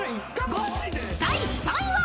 ［第３位は？］